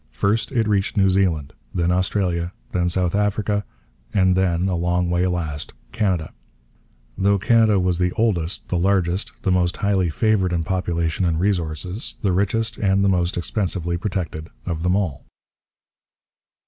First it reached New Zealand, then Australia, then South Africa, and then, a long way last, Canada; though Canada was the oldest, the largest, the most highly favoured in population and resources, the richest, and the most expensively protected of them all.